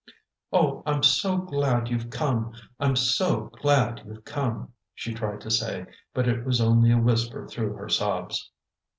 "Oh, I'm so glad you've come! I'm so glad you've come!" she tried to say, but it was only a whisper through her sobs.